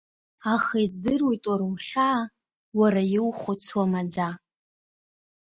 Аха издыруеит уара ухьаа, уара иухәыцуа маӡа…